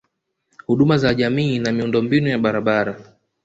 Huduma za jamii na Miundombinu ya barabara